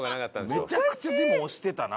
めちゃくちゃでも推してたな。